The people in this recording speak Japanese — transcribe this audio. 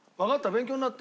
勉強になった？